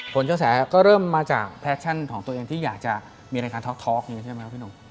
กระแสก็เริ่มมาจากแฟชั่นของตัวเองที่อยากจะมีรายการท็อกอย่างนี้ใช่ไหมครับพี่หนุ่ม